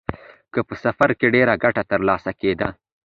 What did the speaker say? که په سفر کې ډېره ګټه ترلاسه کېده